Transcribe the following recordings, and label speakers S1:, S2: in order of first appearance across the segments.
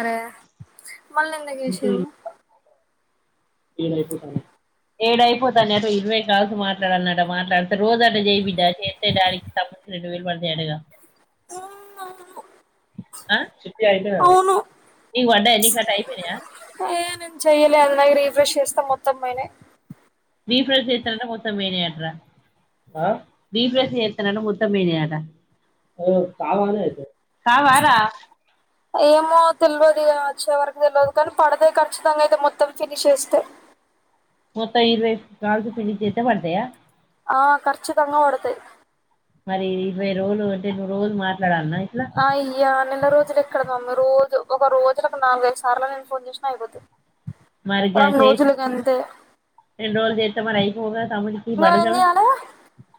S1: అరే మల్లెందుకు చేసిర్రూ?
S2: ఏడ అయిపోతన్నా ఏడైపోతాన్నే అటు ఇరవై కాల్సు మాట్లాడాలన్నట, మాట్లాడితే రోజు అట్ల చెయ్ బిడ్డా చేస్తే డాడీకి త రెండు వేలు పడతయటగా
S1: తున్నా
S2: ఆ నీకు వడ్డయ నీకట అయిపోయినయ?
S1: ఏ నేను చెయ్యలే అది నాకు రీఫ్రెష్ చేస్తే మొత్తం పోయినై
S2: రీఫ్రెష్ చేస్తేనట మొత్తం పోయినయట్రా రిఫ్రెష్ చేస్తే నట మొత్తం పోయినయట. కావారా?
S1: ఏమో తెలియదు గావచ్చు ఎవరకు తెలవదు కానీ పడతయ్ ఖచ్చితంగా అయితే మొత్తం ఫినిష్ చేస్తే.
S2: మొత్తం ఇరవై కాల్స్ ఫినిష్ చేస్తే పడతయా?
S1: ఆ కర్చి తంగ కొడతయ్
S2: మరి ఇరవై రోజలు ఉంటే నువ్వు రోజు మా
S1: ఆ అయ్యా నెల రోజులు ఎక్కడ మమ్మీ రోజు ఒక రోజులకు నాలుగైదు సార్ల నేను ఫోన్ చేసిన నేను అయిపోతయ్.
S2: మరి గా-
S1: రెండు
S2: చేసి
S1: రోజులు గంతే
S2: రెండు రోజులు చేస్తే మరి అయిపోగా తమ్ముడికి
S1: నేను
S2: పడు
S1: ఎన్ని
S2: కదా
S1: చేయాలె,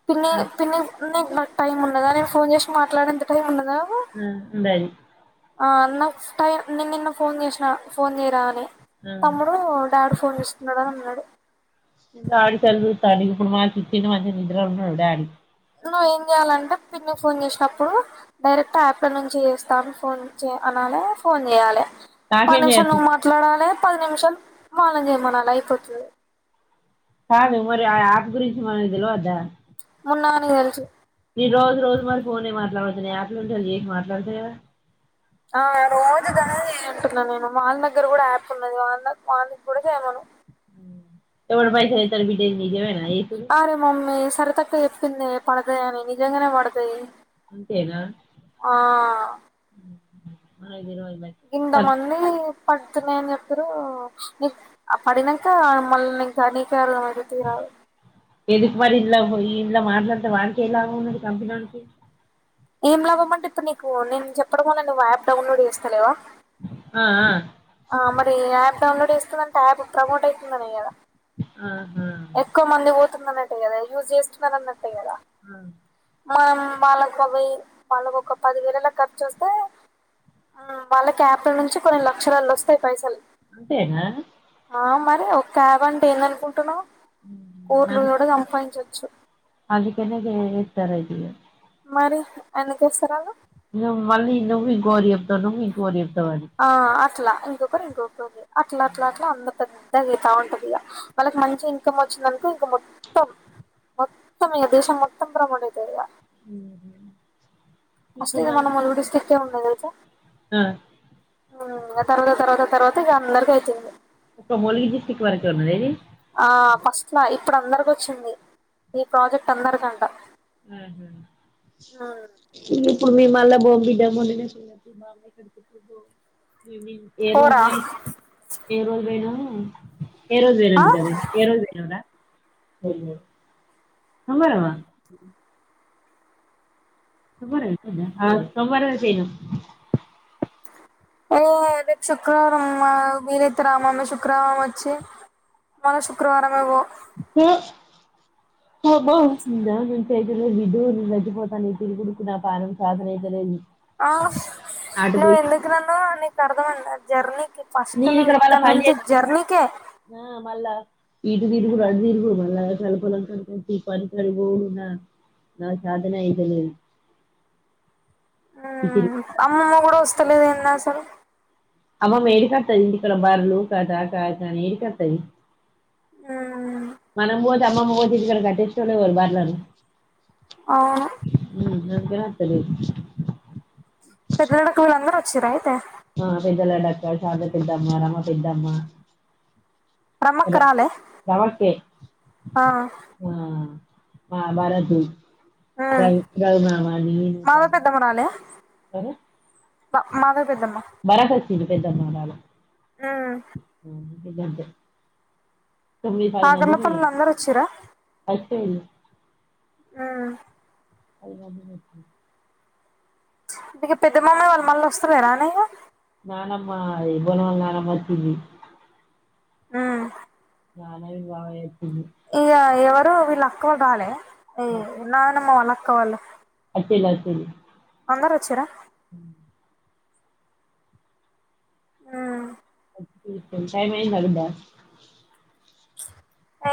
S1: పిన్ని
S2: ఆ,
S1: పిన్ని నిక్ టైం ఉన్నదా నేను ఫోన్ చేసి మాట్లాడే అంత టైం ఉన్నదా?
S2: ఉమ్ ఉండది.
S1: ఆ అన్నకు టైన్ నేను నిన్న ఫోన్ చేసిన, ఫోన్ చేయరా అని తమ్ముడు, డాడి ఫోన్ చేస్తున్నడని అన్నడు.
S2: తడిప్పుడు మాకిచ్చిన మంచిగ నిద్రల ఉన్నడు డాడి
S1: నువ్వ ఏం చేయాలంటే పిన్నికి ఫోన్ జేసేటప్పుడు, డైరెక్ట్ యాప్ల నుంచి చేస్తా నువ్ ఫోన్ లిఫ్ట్ చేయ్ అనాలే ఫోన్ చేయాలే,
S2: నాకేం
S1: పనిమిషాలు
S2: చేయొచ్చు
S1: నువ్వు మాట్లాడాలె పది నిమిషాలు వాళ్లని జైమనాలే అయిపోతుంది.
S2: కాదు మరి ఆ యాప్ గురించి మనకి తెలిలువద్దా?
S1: మున్న గానికి తెలుసు
S2: రోజు మరి యాప్ నుంచేల్లి బిచేసి మాట్లాడుతును కదా
S1: ఆ రోజుదనేది చేయంటున్నా నేను, వాళ్ల దగ్గర కూడా యాప్ ఉన్నది, వాన్ వానికి కూడా చేయమను.
S2: ఎవడి పైసలయితే ఆళ్ల బిడ్డ నిజమేనా? చేసుడు
S1: ఆరే మమ్మీ సరితక్క చెప్పిందే, పడతయని నిజంగానే పడతయి.
S2: అంతేనా
S1: ఆ
S2: నాకు తెలవదు. మరి
S1: ఇంతమంది పడుతున్నాయని చెప్తుర్రు, ఆ పడినంక మళ్ళ నీకు కానీ [unintelligible]
S2: ఎందుకు మరి ఇల్లా ఇంన్ల మాట్లాడితే వాడికేం లాభం ఉన్నది కంపెనోనికి
S1: ఏం లాభం అంటే ఇప్పుడు నీ, నేను చెప్పడం నువ్వు యాప్ డౌన్లోడ్ చేస్తాలేవా?
S2: ఆఆ
S1: ఆ మరి యాప్ డౌన్లోడ్ చేస్తుందంటే యాప్ ప్రమోట్ ఐతుందనే కదా.
S2: ఆహా
S1: ఎక్కువ మంది పోతుందిన్నట్టే కదా, యూజ్ చేస్తున్నారన్నట్టు
S2: అ
S1: మం వాళ్ళకి అవి వాళ్ళకు ఒక పది వేలలకు ఖర్చు వస్తే వాళ్ళ యాప్ల నుంచి కొన్ని లక్షలల్లా ఒస్తయి పైసల్
S2: అంతేనా
S1: ఆ మరి ఒక్క క్యాబ్ అంటే ఏందనుకుంటున్నావ్ కోట్లు
S2: నాకు
S1: కూడా సంపాదించచ్చు.
S2: అందుకనే గా ఏస్తార్ అది
S1: మరి ఎందుకొస్తారాళ్ళు?
S2: నువ్వు మళ్ళీ ఇంతకుముందు ఇంకొకరికీ చెప్తావు నువ్వు ఇంకొకరికీ చెప్
S1: ఆ అట్లా ఇంకొకరు ఇంకొకరు అట్ల అట్ల అట్ల అందరితాకి తగేతా ఉంటంది ఇగ. వాళ్ళకి మంచి ఇన్కమ్ వచ్చిందనుకో, ఇంక మొత్తం. మొత్తం ఇగ దేశం మొత్తం ప్రమోట్ అయితది ఇగ.
S2: మ్ హు
S1: ఫస్ట్ ది మన ములిగి డిస్టిక్ కే ఉన్నది తెలుసా?
S2: మ్
S1: మ్ ఆ తర్వాత తర్వాత తర్వాత ఇగ అందరికి అయితంది
S2: ఇప్పుడ్ ములిగి డిస్టిక్ వరకే ఉన్నదా ఇది?
S1: ఆ ఫస్ట్ లా. ఇప్పుడు అందరికి వచ్చింది. ఈ ప్రాజెక్ట్ అందరికంట.
S2: మ్ హు
S1: ఉమ్,
S2: ఇప్పుడు మీ మళ్ళ బాంబిడెమో నేనేం చూడ్లే [unintelligible] ఈవెనింగ్ ఏ రోజు
S1: పోరా
S2: నే? ఈ రోజె నా ఏ రోజు
S1: ఆ
S2: వేయనంగుండల్ల? ఏ రోజు పోయినవ్ రా? అయ్యో ఉంగారవ్వ ఆ సోమవారమే చేయను
S1: ఏ రేపు శుక్రవారం మా మీరైతే రామను శుక్రవారం వచ్చి మల్ల శుక్రవారమే పో.
S2: ఎ అబ్బా నాకింత అయిత లేదు. బిడ్డ పుడితే సచ్చిపోతా నీ తిరుగుడుకు నా పానం సాధన అయితలేదు.
S1: ఆ నువ్వు ఎందుకునన్నవో నీకు అర్థమైంద జర్నీకి. ఫస్ట్
S2: నీ
S1: నువ్వు
S2: ఇక్కడ మళ్ల
S1: నుంచి
S2: పనిచేస్ [unintelligible]
S1: జర్నీకే
S2: ఆ మళ్ళ ఇటు తిరుగుడు, అటు తిరుగుడు మల్లాసారి పొలం కాడికొచ్చి, పనికాడికి పోవుడు ఇంగా నా చాతనే అయితలేదు. ఈ తిరుగు
S1: ఆ అమ్మమ్మ కూడ వస్తలేద్ ఏందసలు?
S2: అమ్మమ్మ ఏడికత్తది ఇంటికాడ బర్లు, కటా, కాత అని ఏడికత్తది? మనం పోతే, అమ్మమ్మ పోతే, ఇంటికాడ కట్టించినోళ్ ఎవరు బర్లని?
S1: అవును
S2: మ్మ్ అందుకనే అత్తలేదు ఫస్ట్
S1: పెద్దలాడక్కొల్ అందరు వచ్చిరా అయితే?
S2: ఆ పెద్దలాడక్క, శారద పెద్దమ్మ, రమ పెద్దమ్మ, ర
S1: రమ్మక్క రాలే
S2: రమక్కె.
S1: ఆ
S2: ఆ ఆ బారతి దరిత్రది మామ అది ఏం
S1: మాధవ
S2: చేద్దాం! కదా
S1: ప మాదవ పెద్దమ్మ.
S2: తిరు పెద్దమ్మనాల
S1: మ్
S2: మ్ ఇదంతే తొమ్మిది పది మంది
S1: కాకర్ల
S2: పోయినం.
S1: పల్లిలు అందరు వచ్చిర్రా
S2: వచ్చారు
S1: మ్
S2: అది మడత పెట్న
S1: ఇంతకీ పెద్ద మామయ్య వాళ్ళు మళ్ వస్తలేరా నే ఇగ
S2: నానమ్మా ఈ బోనాల నానమ్మ వచ్చింది.
S1: ఆ
S2: నానవి బాగే
S1: ఇగ ఎవరు వీళ్ అక్కువాళ్ళు రాలే? ఈ నానమ్మ వాళ్ళ అక్కవాళ్ళు.
S2: అయిపెయింది. అయిపెయింది.
S1: అందరోచ్చారా? అ
S2: కాయ మయి దా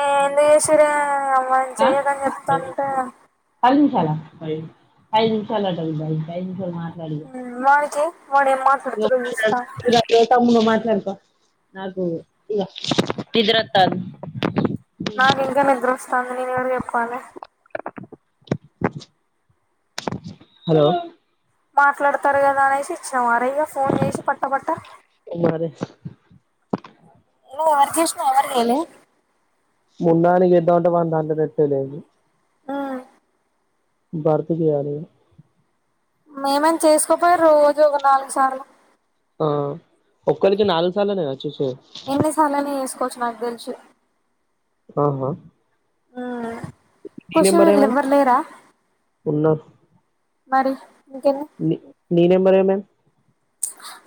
S1: ఎందుకు చేసిరే అమ్మాయిం
S2: ఆ?
S1: చెయ్యదని చెప్తాంటే,
S2: చాల ఐదు నిమిషాలు అట బిడ్డ ఐదు నిమిషాలు మాట్లాడ,
S1: వాడికి వాడు ఏం మాట్లాడుతాడో చూస్తా
S2: [unintelligible] నాకు నిద్రవాతంది.
S1: నాకు ఇంకా నిద్ర వస్తాంది, నేను ఎవరికి చెప్పాలి,
S2: హలో
S1: మాట్లాడతారు కదా అనేసి ఇచేవార ఇక ఫోన్ చేసి పట్ట, పట్ట
S2: మరి
S1: నువ్వు ఎవరికి చేసినవ్ ఎవరికి చెయ్యలే,
S2: మున్నా గానికి చేద్దాం, అంటే వాని దంట్లో నెట్ ఏ లేదు, భారత్ కి చేయాలే,
S1: మీము చేసుకోపోయారు, రోజు ఒక నాలుగు సార్లు,
S2: ఒక్కలికి నాలుగు సార్లనే
S1: ఎన్నిసార్ల అన్న చేస్కోవచ్చు, నాకు తెలిసి
S2: ఆహా నీ
S1: కుషు
S2: నెంబర్ ఏమే
S1: ఎవ్వర్లేరా మరి ఇంకెన్ని
S2: ని నెంబర్ ఏమైంది,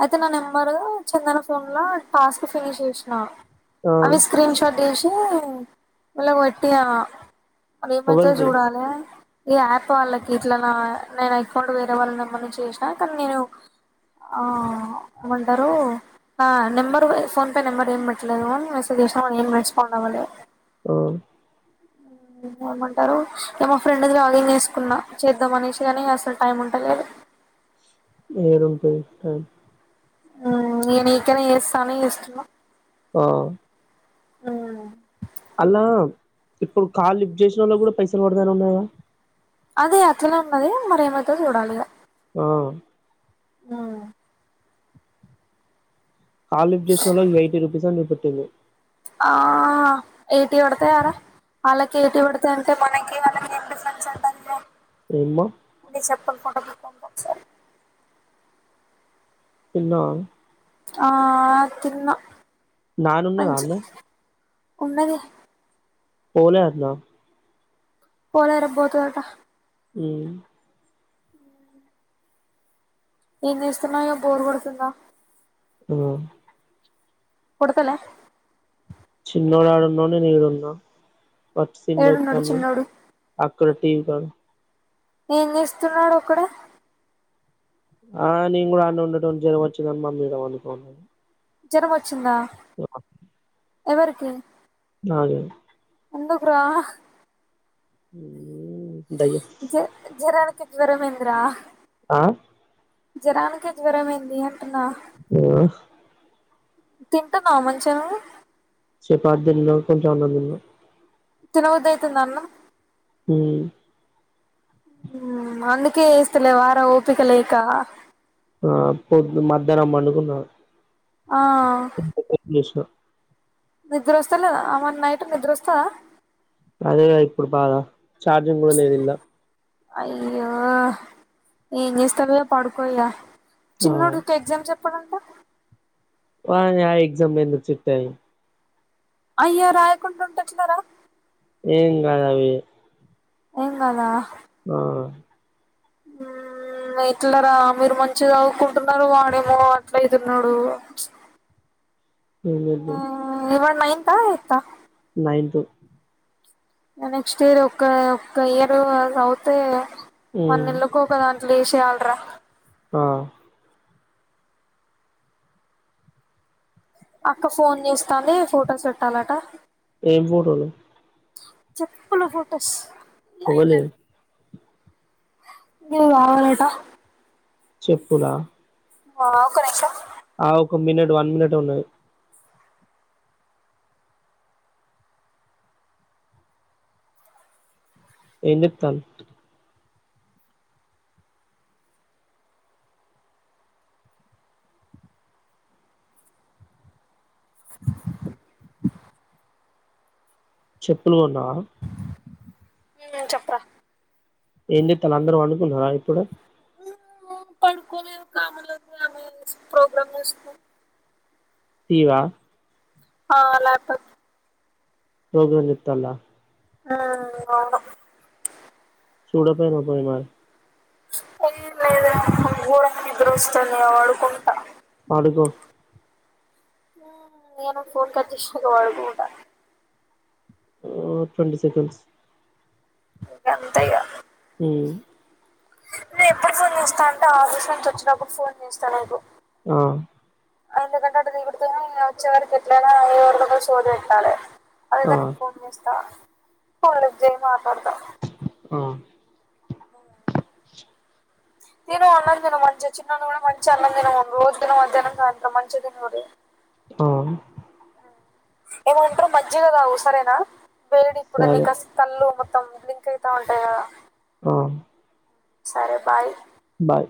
S1: అయితే నా నెంబర్ చందన ఫోన్ లో టాస్క్ ఫినిష్ చేసినా,
S2: ఆ
S1: అవి స్క్రీన్ షాట్ చేసి వాళ్ళకు పేట్టిన, అది ఏమైతదో
S2: ఎవలికి
S1: చూడాలి ఈ యాప్ వాళ్ళకి ఇట్లా నా నేను అకౌంట్ వేరే వాళ్ళని ఏమన్నా చేసా కానీ నేను ఆ ఏమంటారో ఆ నెంబర్ ఫోన్ పే నెంబర్ ఏం పెట్టట్లేదు, మెసేజ్ చేసినాని ఏం రెస్పాండ్ అవ్వాలే,
S2: ఉ
S1: ఏమంటారు ఇ మా ఫ్రెండ్ది లాగిన్ వేసుకున్నా, చేద్దాంమనేసి కాని అసలు టైమ్ ఉంటలేదు,
S2: ఎదుంటే ఏంది
S1: ని కన్నా చేస్తా అన్ని చేస్తున్న
S2: ఆ అల్లా ఇప్పుడు కాల్ లిఫ్ట్ చేసిన వాళ్లకు, కూడా పైసలు పడతయాన్ని ఉన్నాది. గా
S1: అదే అట్లనే ఉన్నది, మరి ఎం ఐతాదో చూడాలి.
S2: ఆ
S1: ఆ
S2: కాల్ లిఫ్ట్ చేసినోళ్లకి ఎయిటీ రూపీస్ అని చూపిస్తుంది.
S1: ఆ ఏయిటీ పడతాయారా, వాళ్ళకి ఏయిటి పడుతయి, అంటే మనకి వాళ్ళకి ఏం డిఫరెంట్ అంట
S2: ఏమ్మా
S1: నీకు చెప్పకుండా మాట్లాడొచ్చా
S2: తిన్నావా
S1: ఆ తిన్న
S2: నాన్ని ఉన్నాదా, అనే
S1: ఉన్నది
S2: పోలే దాటన
S1: పోలే రేపు పోతదట,
S2: ఈ
S1: ఏం చేస్తున్నాయో, బోరు కొడుతుందా
S2: ఉ
S1: కొడుతలే
S2: నువ్వు అడవున్నావు, నీను ఇడా ఉన్న కొత్త సినిమా
S1: ఏడున్నడు
S2: చూస్తానం,
S1: చిన్నోడు
S2: మన టీవీ కాడ
S1: ఏం చేస్తున్నాడు, ఒక్కడే
S2: ఆ నేను కూడా అన్నే ఉండేటొని జ్వరం వచ్చిందని మమ్మీ ఇడా పండుకోమంది
S1: జ్వరం వచ్చిందా
S2: [inaudible]
S1: ఎవరికి
S2: నాకే
S1: ఎందుకు రా
S2: ఉమ్
S1: జే జరానికి జరంమేంద్రా
S2: ఆ
S1: జరానికి జ్వరం ఏంది అని
S2: ఆ
S1: తింటున్నావా మంచిగా నువ్వు
S2: చపాతి తిన్న కొంచెం అన్నం తిన్న
S1: తినబుద్ధి అయితుందా అన్నం
S2: హ్మ్
S1: హ్మ్ అందుకే చేస్తలేవారా ఓపిక లేక
S2: ఆ పొద్ మధ్యాహ్నం పడుకున్నాను
S1: ఆ
S2: చేసిన
S1: నిద్ర వస్తలేదా మరి నైట్ నిద్ర వస్తదా
S2: అదే కదా ఇప్పుడు బాధ ఛార్జింగ్ కూడా లేదు ఇల్లా
S1: అయ్యో ఏం చేస్తాలే పడుకోయిగా
S2: ఆ
S1: చిన్నడుకీ ఎగ్జామ్ చెప్పడంట
S2: వానీ ఆ ఎగ్జామ్ ఎందుకు చూతయి
S1: అయ్యా రాయకుండా ఉండే ఎట్లారా
S2: ఏం కాదు అవి
S1: ఏం కదా
S2: ఆ
S1: ఎట్ల రా మీరు మంచి చదువుకుంటున్నారు వాడేమో అట్లా అతున్నాడు
S2: ఏం చేద్దాం
S1: ఒ వాడు నైన్త్ ఆ ఎయిట్ ఆ
S2: నైన్త్
S1: నెక్స్ట్ ఇయర్ ఒ ఒక్క ఇయర్ అ చదువుతే వాని
S2: ఉమ్
S1: ఎల్లుకోకదాని వేశేయాలి రా
S2: ఆ
S1: అక్క ఫోన్ చేస్తాది ఫొటోస్ పెట్టాలాట
S2: ఏం ఫోటోలు
S1: చెప్పులు ఫోటోస్
S2: ఓవలయి
S1: [unintelligible] కావాలాట
S2: చెప్పులా
S1: ఆ ఒక్క నిమిషం
S2: ఆ ఒక మినిట్ వన్ మినిట్ ఎ ఉన్నది ఏం చేతల్లు చెప్పులు కొన్నావా
S1: ఊ చెప్పరా
S2: ఏం చేతలు అందరూ పండుకున్నారా ఇప్పుడే
S1: పండుకోలేదు [inaudible] ప్రోగ్రామ్ చూస్తున్నాం
S2: టీవా
S1: ఆ లాప్టాప్
S2: ప్రోగ్రామ్ చూత్తల్లా
S1: ఆ [unintelligible]
S2: చూడకపోయినవ్ పోయి మరి
S1: ఏ లేదు రా నాగూడ నిద్దరోస్తుంది ఇగా పడుకుంటా
S2: ఎందుకో
S1: మ్ నేను ఫోన్ కట్ చేసినక పడుకుంటా
S2: ఉ ట్వెంటి సెకండ్స్
S1: అంతే ఇగా నేను ఎప్పుడు ఫోన్ చేస్తా అంటే ఆఫీస్ ఆఫీస్ నుంచి వచ్చినప్పుడు ఫోన్ చేస్తా లెగు
S2: ఆ
S1: ఎందుకంటే అటు తిరుగుడు వచేవరకు ఎట్లగా ఎవరితో ఒకరితో సోది పెట్టాలి అదే
S2: ఆ
S1: గాని ఫోన్ చేస్తావా ఫోన్ లిఫ్ట్ చేయమాకు
S2: ఆ
S1: పోవాలి తిను అన్నంతిను మంచి చినోడ్ని కూడా మంచి అన్నతిమను రోజు మధ్యాహ్నమ్ సాయంత్రం మంచి తిమను
S2: అవును
S1: ఏమంట్ర మజ్జిగ దాగు సరేనా వేడి కుడ
S2: సరే
S1: కల్లు మ మొత్తం లింక్ అయితా ఉంటాయా గదా
S2: ఆ
S1: సరే బాయ్
S2: బాయ్